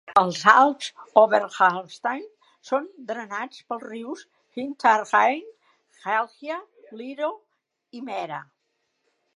Els Alps Oberhalbstein són drenats pels rius Hinterrhein, Gelgia, Liro i Mera.